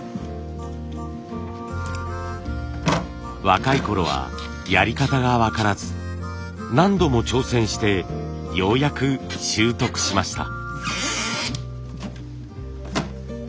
若いころはやり方が分からず何度も挑戦してようやく習得しました。